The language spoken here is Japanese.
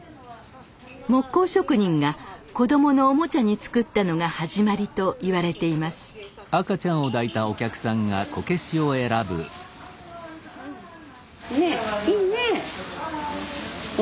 木工職人が子供のおもちゃに作ったのが始まりといわれていますねえいいねえ。